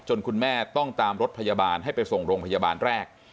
คุณแม่ต้องตามรถพยาบาลให้ไปส่งโรงพยาบาลแรก